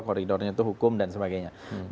koridornya itu hukum dan sebagainya